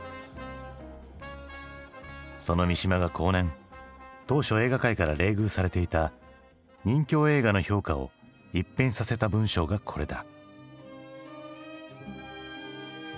その三島が後年当初映画界から冷遇されていた任侠映画の評価を一変させた文章がこれだ。